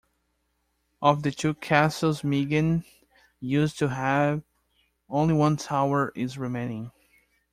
Of the two castles Megen used to have, only one tower is remaining.